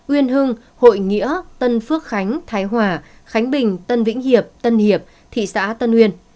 uyên hưng hội nghĩa tân phước khánh thái hòa khánh bình tân vĩnh hiệp tân hiệp thị xã tân uyên